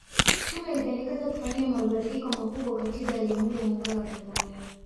Tume ilipendekeza kuzifanyia mabadiliko makubwa Katiba ya Jamhuri ya Muungano wa Tanzania